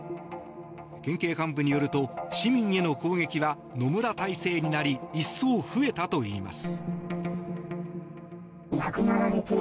県警幹部によると市民への攻撃は野村体制になり一層増えたといいます。